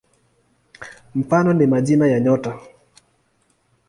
Mfano ni majina ya nyota.